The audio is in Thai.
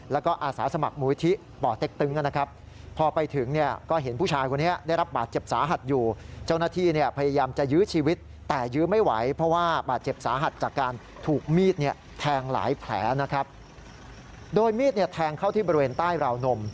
แล้วก็อาสาสมัครมูลวิธีป่อเต็กตึงนะครับ